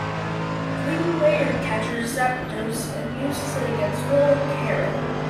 Green later captures Zapdos and uses it against Will and Karen.